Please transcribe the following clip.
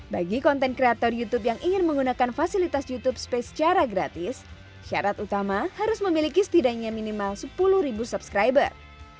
bagi konten kreator youtube yang ingin menggunakan fasilitas youtube space secara gratis syarat utama harus memiliki setidaknya minimal sepuluh ribu subscriber